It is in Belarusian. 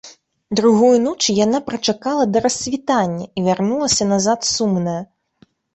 Другую ноч яна прачакала да рассвітання і вярнулася назад сумная.